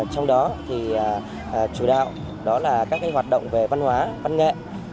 trong đó thì chủ đạo đó là các hoạt động về văn hóa văn nghệ